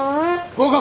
合格！